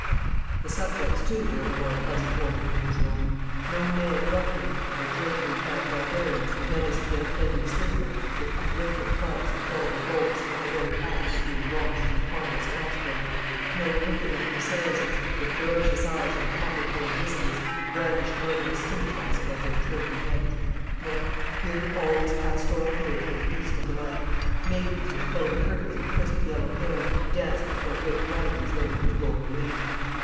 The subjects, too, were of a more pleasant order than usual. No mailed ruffians or drapery clad barbarians menaced the unoffending sleeper with uplifted clubs, or horrible bolts, in the very act of being launched from ponderous crossbows; no wicked looking Saracens, with ferocious eyes and copper coloured visages, brandished murderous scimitars above their turbaned heads. No; here all was pastoral gaiety and peaceful delight. Maidens, with flowing kirtles and crisped yellow hair, danced before great wagons loaded with golden wheat.